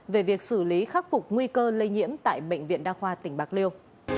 về việc xử lý khắc phục nguy cơ lây nhiễm tại bệnh viện đa khoa tỉnh bạc liêu